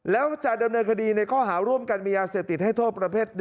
แล้วจะดำเนินคดีในข้อหาร่วมกันมียาเสพติดให้โทษประเภท๑